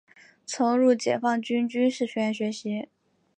曾入解放军军事学院学习。